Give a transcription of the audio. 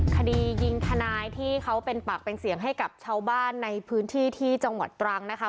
คดียิงทนายที่เขาเป็นปากเป็นเสียงให้กับชาวบ้านในพื้นที่ที่จังหวัดตรังนะคะ